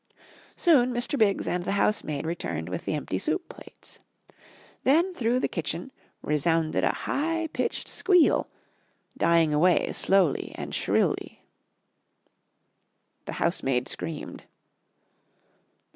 Soon Mr. Biggs and the housemaid returned with the empty soup plates. Then through the kitchen resounded a high pitched squeal, dying away slowly and shrilly. The housemaid screamed.